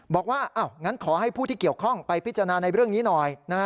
บอกว่างั้นขอให้ผู้ที่เกี่ยวข้องไปพิจารณาในเรื่องนี้หน่อย